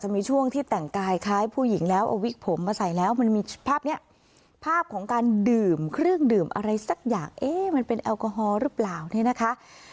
มันเป็นแอลกอฮอล์หรือเปล่านี้นะคะ